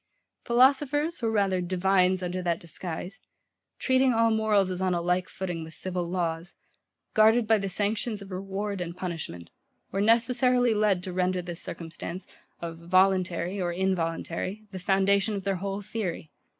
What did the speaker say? Philosophers, or rather divines under that disguise, treating all morals as on a like footing with civil laws, guarded by the sanctions of reward and punishment, were necessarily led to render this circumstance, of VOLUNTARY or INVOLUNTARY, the foundation of their whole theory.